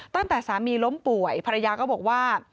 ตั้งแต่สามีล้มป่วยภรรยาก็บอกว่า